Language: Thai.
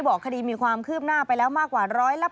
บอกคดีมีความคืบหน้าไปแล้วมากกว่า๑๕